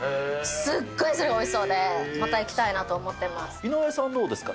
すっごい、それがおいしそうで、また行きた井上さん、どうですか？